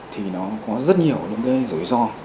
thì nó có rất nhiều những cái rủi ro